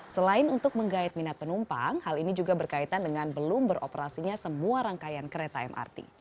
selain untuk menggait minat penumpang hal ini juga berkaitan dengan belum beroperasinya semua rangkaian kereta mrt